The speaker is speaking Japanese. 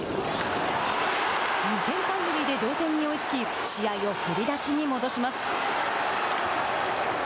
２点タイムリーで同点に追いつき試合を振り出しに戻します。